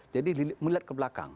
jadi melihat ke belakang